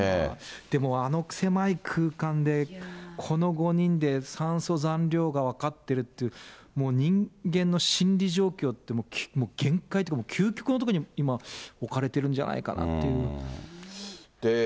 でも、あの狭い空間で、この５人で酸素残量が分かってるっていう、もう人間の心理状況って、もう限界というか、究極のところに今、置かれてるんじゃないかなっていう。